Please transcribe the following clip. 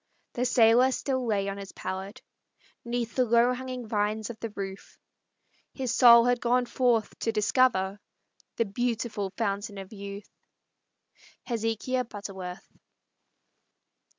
The sailor still lay on his pallet, 'Neath the low hanging vines of the roof; His soul had gone forth to discover The beautiful Fountain of Youth. HEZEKIAH BUTTERWORTH.